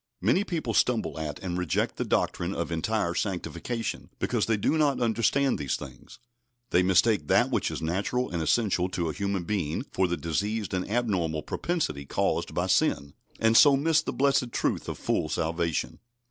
Many people stumble at and reject the doctrine of entire sanctification, because they do not understand these things. They mistake that which is natural and essential to a human being for the diseased and abnormal propensity caused by sin, and so miss the blessed truth of full salvation.